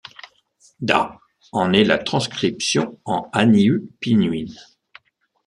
Dà en est la transcription en hanyu pinyin.